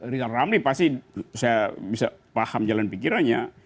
richard ramley pasti saya bisa paham jalan pikirannya